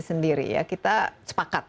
sendiri ya kita sepakat